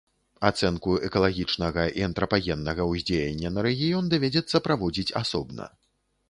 Ацэнку экалагічнага і антрапагеннага ўздзеяння на рэгіён давядзецца праводзіць асобна.